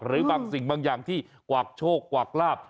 หรือบางสิ่งบางอย่างที่กวากโชคกวากลาบ